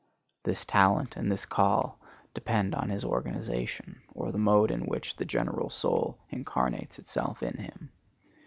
This talent and this call depend on his organization, or the mode in which the general soul incarnates itself in him.